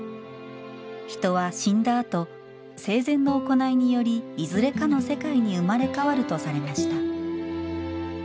人は、死んだあと、生前の行いにより、いずれかの世界に生まれ変わるとされました。